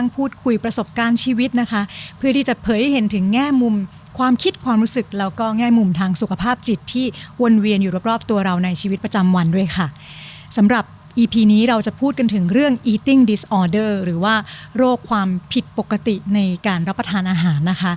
ปกติในการรับประทานอาหารนะคะ